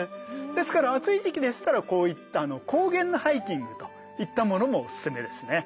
ですから暑い時期でしたらこういった高原のハイキングといったものもおすすめですね。